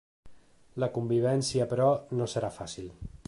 La convivència, però, no serà fàcil.